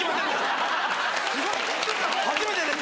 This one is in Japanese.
初めてです。